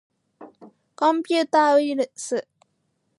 コンピューターウイルス